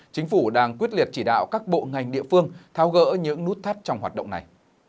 chính phủ đang quyết liệt chỉ đạo các bộ ngành địa phương tháo gỡ những nút thắt trong hoạt động này